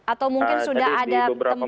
atau mungkin sudah ada tempat evakuasi